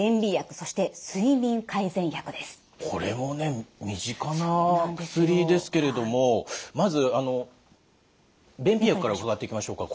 これもね身近な薬ですけれどもまず便秘薬から伺っていきましょうか。